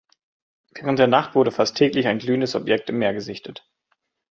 Während der Nacht wurde fast täglich ein glühendes Objekt im Meer gesichtet.